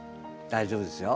大丈夫ですよ。